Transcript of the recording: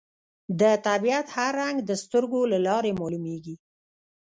د طبیعت هر رنګ د سترګو له لارې معلومېږي